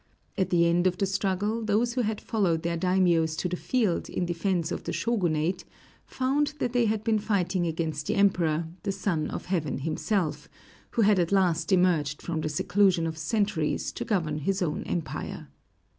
At the end of the struggle, those who had followed their daimiōs to the field, in defense of the Shōgunate, found that they had been fighting against the Emperor, the Son of Heaven himself, who had at last emerged from the seclusion of centuries to govern his own empire.